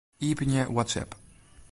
Iepenje WhatsApp.